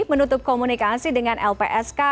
menutup komunikasi dengan lpsk